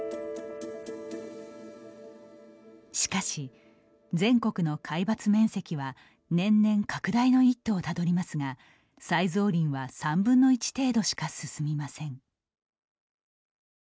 しかし、全国の皆伐面積は年々、拡大の一途をたどりますが再造林は３分の１程度しか進みません。